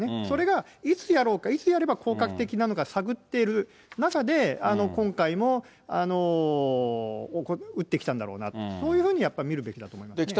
それがいつやろうか、いつやれば広角的なのか探ってる中で、今回もうってきたんだろうなと、そういうふうにやっぱ見るべきだと思いますね。